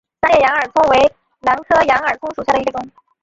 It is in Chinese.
三裂羊耳蒜为兰科羊耳蒜属下的一个种。